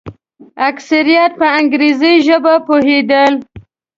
اکثریت په انګریزي ژبه پوهېدل.